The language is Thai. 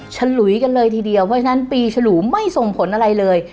ฉลุยกันเลยทีเดียวเพราะฉะนั้นปีฉลูไม่ส่งผลอะไรเลย